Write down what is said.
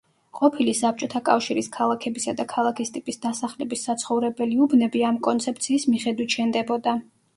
ყოფილი საბჭოთა კავშირის ქალაქებისა და ქალაქის ტიპის დასახლების საცხოვრებელი უბნები ამ კონცეფციის მიხედვით შენდებოდა.